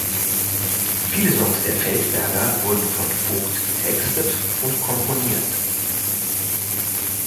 Viele Songs der Feldberger wurden von Vogt getextet und komponiert.